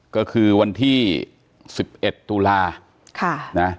ก็คือวันที่๑๑ตุลา